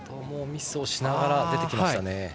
もうミスをしながら出てきましたね。